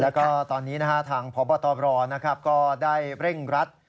แล้วก็ตอนนี้นะครับทางพบตรนะครับก็ได้เร่งรัด